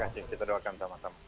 terima kasih kita doakan sama sama